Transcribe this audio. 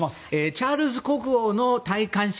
チャールズ国王の戴冠式。